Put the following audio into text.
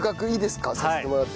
させてもらっても。